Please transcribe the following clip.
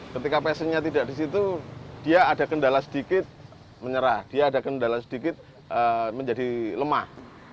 ketika passionnya tidak di situ dia ada kendala sedikit menyerah dia ada kendala sedikit menjadi lemah